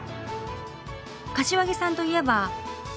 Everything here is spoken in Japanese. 柏木さんといえば。